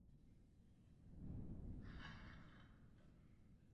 Na trhu se mnoho věcí děje špatným způsobem.